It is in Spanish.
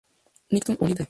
Nicktoons Unite!